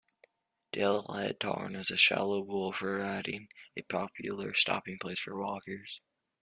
Dalehead Tarn is a shallow pool providing a popular stopping place for walkers.